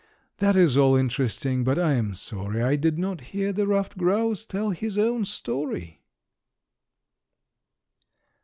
"That is all interesting, but I am sorry I did not hear the ruffed grouse tell his own story."